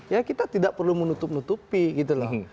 ya kita tidak perlu menutup nutupi gitu loh